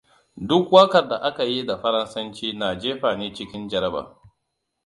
Duk waƙar da aka yi da Faransanci na jefa ni cikin jaraba.